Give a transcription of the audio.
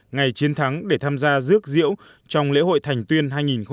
ngày chiến thắng để tham gia rước diễu trong lễ hội thành tuyên hai nghìn một mươi tám